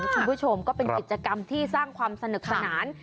คุณผู้ชมก็เป็นกิจกรรมที่สร้างความสนุกสนาน